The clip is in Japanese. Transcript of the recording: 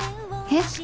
えっ！？